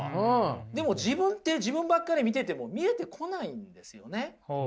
でも自分って自分ばっかり見てても見えてこないんですよね。